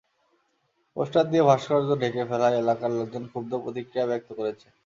Poster দিয়ে ভাস্কর্য ঢেকে ফেলায় এলাকার লোকজন ক্ষুব্ধ প্রতিক্রিয়া ব্যক্ত করেছেন।